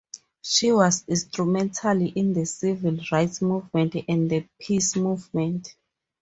She was instrumental in the civil rights movement and the peace movement.